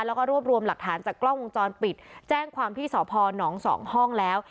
แล้วก็รวบรวมหลักฐานจากกล้องวงจรปิดแจ้งความที่สพนสองห้องแล้ว